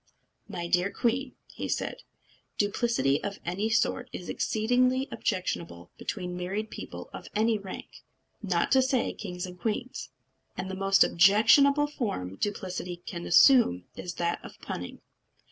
"My dear queen," said he, "duplicity of any sort is exceedingly objectionable between married people of any rank, not to say kings and queens; and the most objectionable form duplicity can assume is that of punning."